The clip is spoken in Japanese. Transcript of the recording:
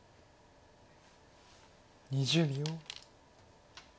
２０秒。